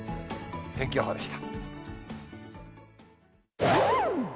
天気予報でした。